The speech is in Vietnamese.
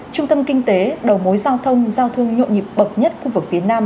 trung tâm kinh tế đầu mối giao thông giao thương nhộn nhịp bậc nhất khu vực phía nam